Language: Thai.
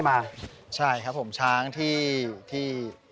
ชื่องนี้ชื่องนี้ชื่องนี้ชื่องนี้ชื่องนี้